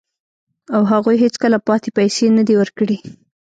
او هغوی هیڅکله پاتې پیسې نه دي ورکړي